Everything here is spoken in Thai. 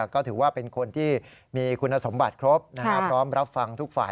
ก็ถือว่าเป็นคนที่มีคุณสมบัติครบพร้อมรับฟังทุกฝ่าย